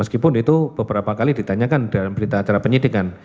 meskipun itu beberapa kali ditanyakan dalam berita acara penyidikan